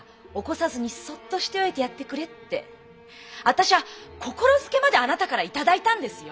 私は心付けまであなたから頂いたんですよ。